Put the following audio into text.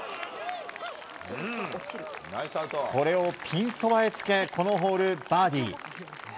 これをピンそばへつけこのホール、バーディー。